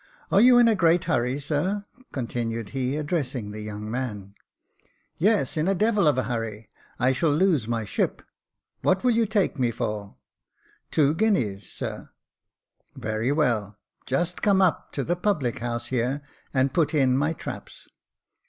"Are you in a great hurry, sir ?" continued he, addressing the young man. " Yes, in a devil of a hurry ; I shall lose my ship. What will you take me for ?"" Two guineas, sir." " Very well. Just come up to the public house here, and put in my traps."